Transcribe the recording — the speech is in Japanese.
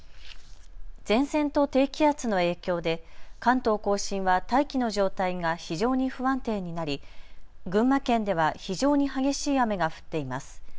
前線と低気圧の影響で関東甲信は大気の状態が非常に不安定になり群馬県では非常に激しい雨が降っています。